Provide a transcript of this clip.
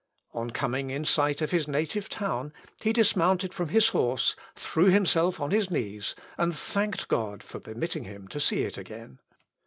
On coming in sight of his native town, he dismounted from his horse, threw himself on his knees, and thanked God for permitting him to see it again.